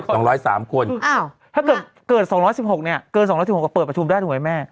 ถ้าเกิด๒๑๖เนี่ยเกิด๒๑๖ก็เปิดประชุมได้ดูไหมแม่